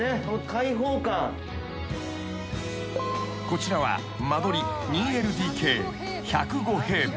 ［こちらは間取り２ＬＤＫ１０５平米］